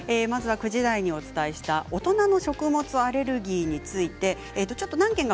９時台にお伝えした大人の食物アレルギーについてです。